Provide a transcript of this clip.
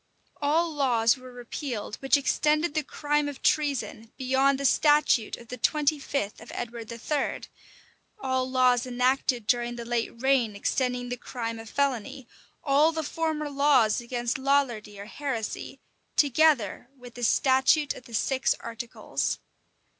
All laws were repealed which extended the crime of treason beyond the statute of the twenty fifth of Edward III.;[] all laws enacted during the late reign extending the crime of felony; all the former laws against Lollardy or heresy, together with the statute of the six articles.